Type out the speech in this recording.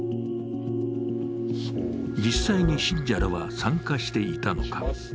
実際に信者らは参加していたのか。